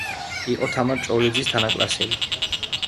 იყო თამარ ჭოველიძის თანაკლასელი.